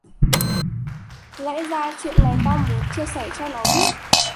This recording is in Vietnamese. Lẽ ra chuyện này tao muốn chia sẻ cho nó biết